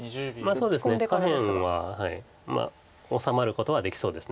そうですね下辺は治まることはできそうです。